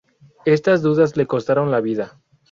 Estas dudas le costaron la vida.